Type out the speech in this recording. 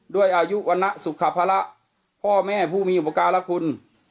ด้วยอายุวรรณสุขภาระพ่อแม่ผู้มีอุปการะคุณ